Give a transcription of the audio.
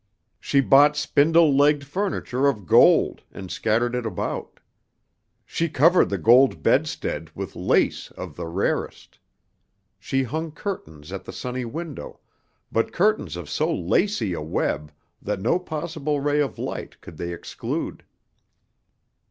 She bought spindle legged furniture of gold and scattered it about. She covered the gold bedstead with lace of the rarest. She hung curtains at the sunny window, but curtains of so lacey a web that no possible ray of light could they exclude.